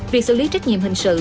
việc xử lý trách nhiệm hình sự